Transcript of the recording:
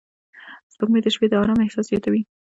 سپوږمۍ د شپې د آرامۍ احساس زیاتوي